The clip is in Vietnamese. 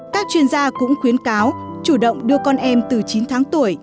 các chuyên gia cũng khuyến cáo chủ động đưa con em từ chín tháng tuổi